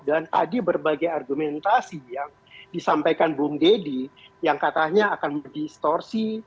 dan tadi berbagai argumentasi yang disampaikan bung deddy yang katanya akan mendistorsi